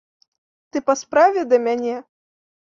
Ты па справе да мяне?